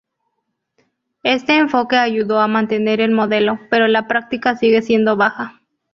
Este enfoque ayudó a mantener el modelo, pero la práctica sigue siendo baja.